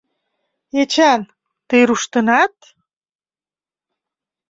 — Эчан, тый руштынат...